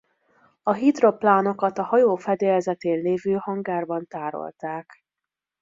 A hidroplánokat a hajó fedélzetén lévő hangárban tárolták.